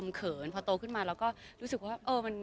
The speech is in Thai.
บางทีเค้าแค่อยากดึงเค้าต้องการอะไรจับเราไหล่ลูกหรือยังไง